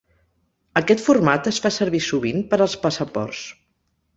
Aquest format es fa servir sovint per als passaports.